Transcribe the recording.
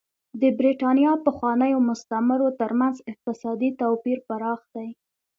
د برېټانیا پخوانیو مستعمرو ترمنځ اقتصادي توپیر پراخ دی.